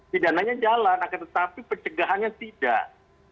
pidananya jalan akan tetapi pencegahannya tidak